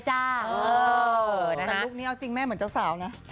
จริทธินะคะ